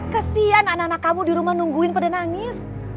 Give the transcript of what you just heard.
kesian anak anak kamu di rumah nungguin pada nangis